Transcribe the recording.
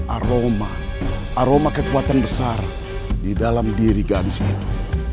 aroma aroma kekuatan besar di dalam diri gadis itu